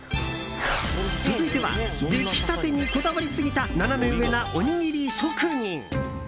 続いては出来たてにこだわりすぎたナナメ上なおにぎり職人。